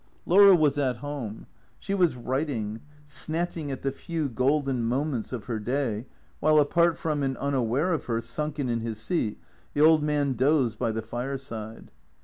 Laura was at home. She was writing, snatching at the few golden moments of her day, while apart from and unaware of her, sunken in his seat, the old man dozed by the fireside.